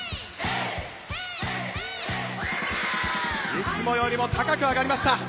いつもよりも高く上がりました。